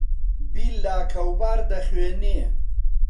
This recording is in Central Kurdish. بیللا کەوباڕ دەخوێنێ